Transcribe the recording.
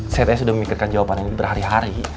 saya tadi sudah memikirkan jawabannya ini berhari hari